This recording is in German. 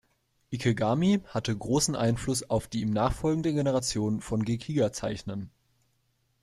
Ikegami hatte großen Einfluss auf die ihm nachfolgende Generation von Gekiga-Zeichnern.